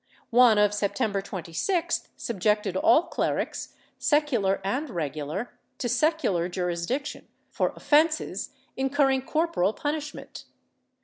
One of September 26th subjected all clerics, secular and regular, to secular jurisdiction for offences incurring corporal punishment.